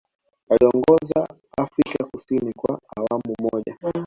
Aliiongoza Afrika Kusini kwa awamu moja